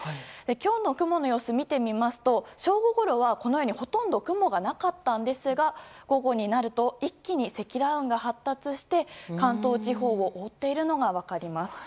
今日の雲の様子を見てみますと正午ごろはこのようにほとんど雲がなかったんですが午後になると一気に積乱雲が発達して関東地方を覆っているのが分かります。